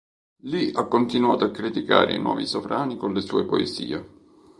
Lì ha continuato a criticare i nuovi sovrani con le sue poesie.